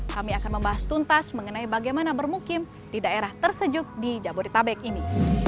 kami akan membahas tuntas mengenai bagaimana bermukim di daerah tersejuk di jabodetabek ini